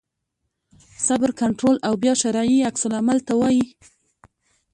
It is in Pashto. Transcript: صبر کنټرول او بیا شرعي عکس العمل ته وایي.